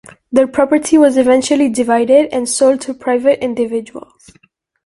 Their property was eventually divided and sold to private individuals.